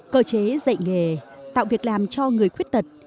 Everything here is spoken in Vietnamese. cơ chế dạy nghề tạo việc làm cho người khuyết tật